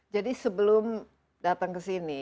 jadi sebelum datang kesini